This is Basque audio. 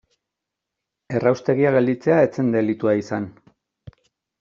Erraustegia gelditzea ez zen delitua izan.